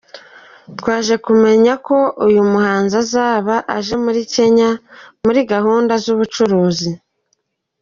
Twaje kumenya ko uyu muhanzi azaba aje muri Kenya muri gahunda z’ubucuruzi.